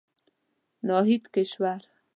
ناهيد کشور